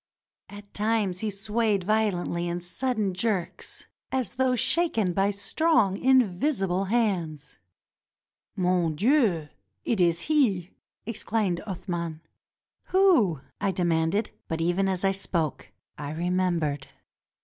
At times he swayed violently in sudden jerks as though shaken by strong, invisible hands. "Mon dieu 1 it is he!" exclaimed Athman. "Who?" I demanded; but even as I spoke, I remem bered.